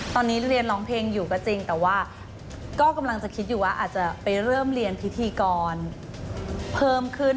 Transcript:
ตอนนี้เรียนร้องเพลงอยู่ก็จริงแต่ว่าก็กำลังจะคิดอยู่ว่าอาจจะไปเริ่มเรียนพิธีกรเพิ่มขึ้น